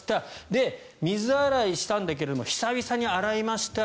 で、水洗いしたんだけど久々に洗いました